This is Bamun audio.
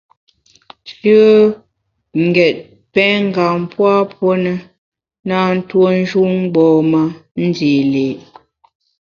Shùe n’ gét pèn ngam pua puo ne, na ntuo njun mgbom-a ndi li’.